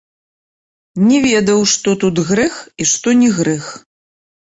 Не ведаў, што тут грэх і што не грэх.